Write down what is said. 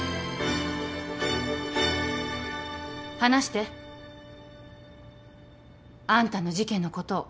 話してあんたの事件のことを。